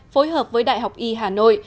phối hợp với đại học y hà nội